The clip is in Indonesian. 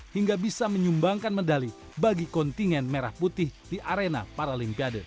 hingga bisa menyumbangkan medali bagi kontingen merah putih di arena paralimpiade